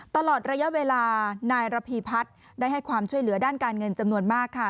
ตลอดระยะเวลานายระพีพัฒน์ได้ให้ความช่วยเหลือด้านการเงินจำนวนมากค่ะ